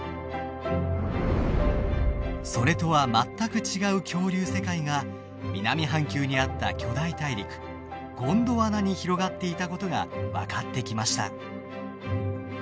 それとは全く違う恐竜世界が南半球にあった巨大大陸ゴンドワナに広がっていたことが分かってきました。